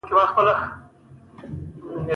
د انجونو لپاره زده کړې اړينې دي